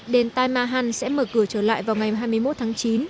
đền tai mahan sẽ mở cửa trở lại vào ngày hai mươi một tháng chín